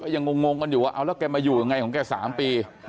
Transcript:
ยังงงงกันอยู่เอาแล้วเขาไปอยู่ไงครั้ง๓ปี